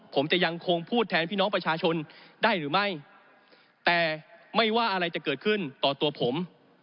ผมจะยังคงพูดแทนพี่น้องประชาชนได้หรือไม่แต่ไม่ว่าอะไรจะเกิดขึ้นต่อตัวผม